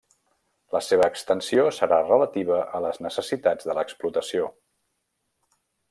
La seva extensió serà relativa a les necessitats de l'explotació.